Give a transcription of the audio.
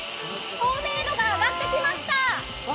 透明度が上がってきました。